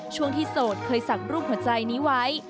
ช่วงที่โสดเคยสักรูปหัวใจนี้ไว้